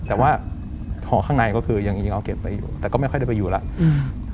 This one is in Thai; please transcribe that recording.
แต่ว่าหอข้างในก็คือยังจริงยังเอาเก็บไว้อยู่แต่ก็ไม่ค่อยได้ไปอยู่แล้วอืม